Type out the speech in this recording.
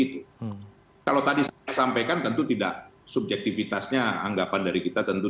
itu kalau tadi saya sampaikan tentu tidak subjektifitasnya anggapan dari kita tentu